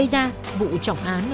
và đối tượng hoàng văn khuê